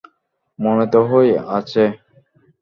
মনে তো হয় আছে।